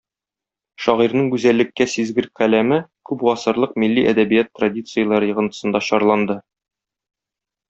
Шагыйрьнең гүзәллеккә сизгер каләме күпгасырлык милли әдәбият традицияләре йогынтысында чарланды.